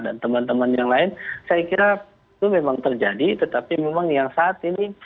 dan teman teman yang lain saya kira itu memang terjadi tetapi memang yang saat ini